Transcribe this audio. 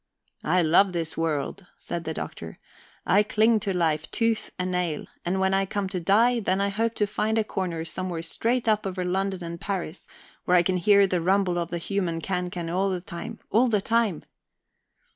"I love this world," said the Doctor. "I cling to life tooth and nail. And when I come to die, then I hope to find a corner somewhere straight up over London and Paris, where I can hear the rumble of the human cancan all the time, all the time."